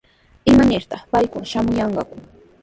¿Imanirtaq paykuna shamuyanqaku?